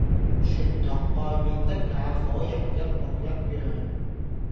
全同外面的那夥人一模一樣。